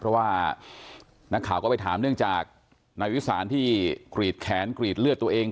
เพราะว่านักข่าวก็ไปถามเนื่องจากนายวิสานที่กรีดแขนกรีดเลือดตัวเอง